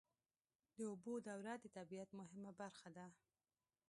د اوبو دوره د طبیعت مهمه برخه ده.